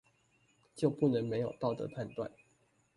就不能沒有道德判斷